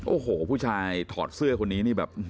โอ้โหผู้ชายถอดเสื้อคนนี้